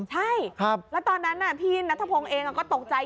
ใช่แล้วตอนนั้นพี่นัทพงศ์เองก็ตกใจ